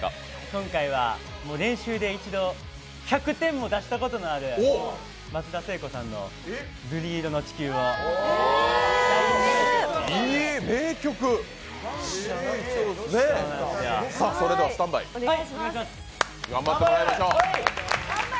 今回は練習で一度１００点も出したことのある松田聖子さんの頑張ってもらいましょう。